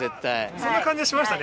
そんな感じがしましたね